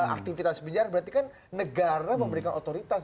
aktivitas penjara berarti kan negara memberikan otoritas